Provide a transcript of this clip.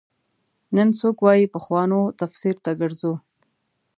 نن څوک وايي پخوانو تفسیر ته ګرځو.